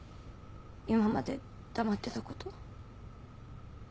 今まで黙ってたこと。